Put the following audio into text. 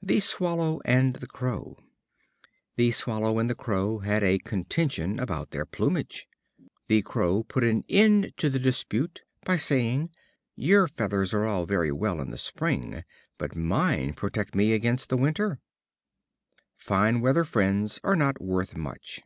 The Swallow and the Crow. The Swallow and the Crow had a contention about their plumage. The Crow put an end to the dispute by saying: "Your feathers are all very well in the spring, but mine protect me against the winter." Fine weather friends are not worth much.